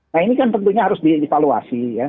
nah ini kan tentunya harus dievaluasi ya